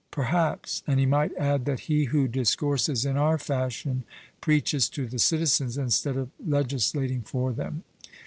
Perhaps; and he might add, that he who discourses in our fashion preaches to the citizens instead of legislating for them.